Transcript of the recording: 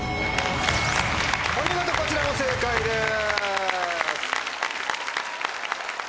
お見事こちらも正解です。